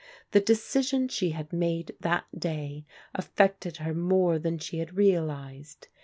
The decision she had made that day af fected her more than she had realized.